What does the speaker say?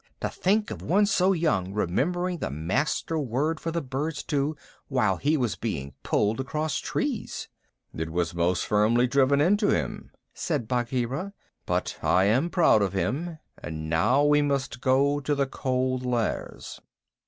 "To think of one so young remembering the Master Word for the birds too while he was being pulled across trees!" "It was most firmly driven into him," said Bagheera. "But I am proud of him, and now we must go to the Cold Lairs."